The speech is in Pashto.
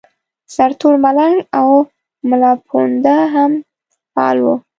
سرتور ملنګ او ملاپوونده هم فعال وو.